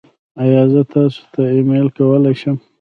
ایا زه تاسو ته ایمیل کولی شم؟